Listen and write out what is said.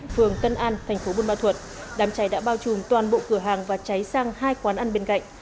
phường tân an thành phố buôn ma thuật đám cháy đã bao trùm toàn bộ cửa hàng và cháy sang hai quán ăn bên cạnh